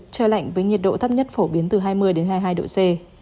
trời lạnh với nhiệt độ thấp nhất phổ biến từ hai mươi đến hai mươi hai độ c